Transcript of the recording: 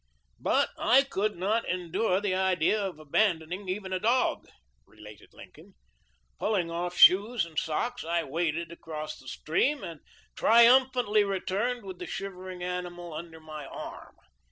" But I could not en dure the idea of abandoning even a dog," related Lincoln. "Pull ing off shoes and socks I waded across the stream and triumphantly returned with the shivering animal under my arm.